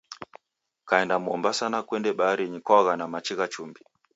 Kaenda Mombasa na kwende baharinyi kwa ogha na machi gha chumbi